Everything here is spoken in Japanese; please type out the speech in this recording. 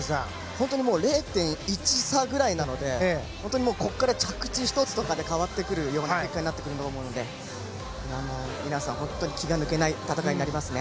本当に０．１差ぐらいなので本当にここから着地１つとかで変わってくるような結果になってくると思うので皆さん、気が抜けない戦いになりますね。